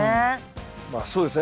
まあそうですね。